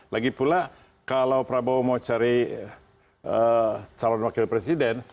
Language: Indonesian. lagipula kalau prabowo mau cari calon wakil presiden